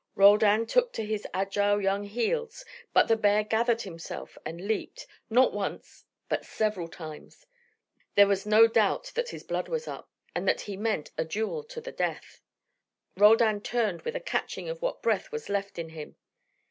Roldan took to his agile young heels. But the bear gathered himself and leaped, not once but several times. There was no doubt that his blood was up, and that he meant a duel to the death. Roldan turned with a catching of what breath was left in him.